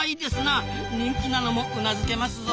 人気なのもうなずけますぞ。